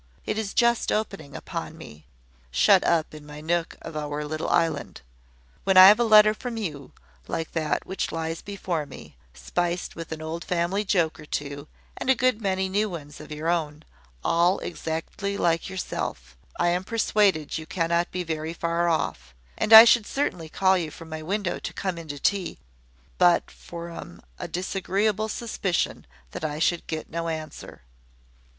It is just opening upon me, shut up in my nook of our little island. When I have a letter from you, like that which lies before me, spiced with an old family joke or two, and a good many new ones of your own, all exactly like yourself, I am persuaded you cannot be very far off; and I should certainly call you from my window to come in to tea, but from a disagreeable suspicion that I should get no answer.